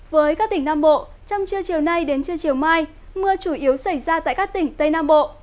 với các tỉnh nam bộ trong trưa chiều nay đến trưa chiều mai mưa chủ yếu xảy ra tại các tỉnh tây nam bộ